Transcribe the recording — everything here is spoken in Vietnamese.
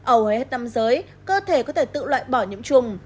ở hồi hết năm giới cơ thể có thể tự loại bỏ nhiễm trùng